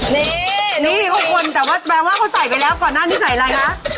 นี่นี่๖คนแต่ว่าแปลว่าเขาใส่ไปแล้วก่อนหน้านี้ใส่อะไรคะ